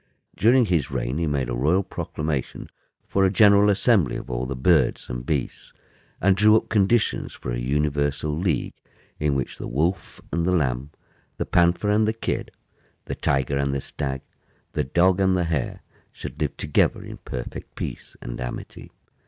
During his reign he made a royal proclamation for a general assembly of all the birds and beasts, and drew up conditions for a universal league, in which the Wolf and the Lamb, the Panther and the Kid, the Tiger and the Stag, the Dog and the Hare, should live together in perfect peace and amity.